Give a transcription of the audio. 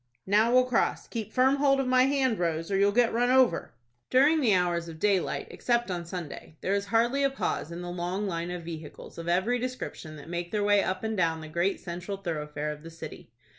"Now we'll cross. Keep firm hold of my hand Rose, or you'll get run over." During the hours of daylight, except on Sunday, there is hardly a pause in the long line of vehicles of every description that make their way up and down the great central thoroughfare of the city.